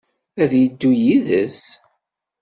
Ad yeddu yid-s?